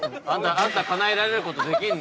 ◆あんた、かなえられることできんの？